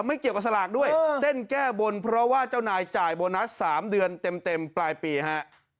ไม่เกี่ยวกับสลากด้วยเต้นแก้บนเพราะว่าเจ้านายจ่ายโบนัส๓เดือนเต็มปลายปีฮะ